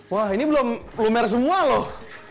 wah ini belum lumer semua loh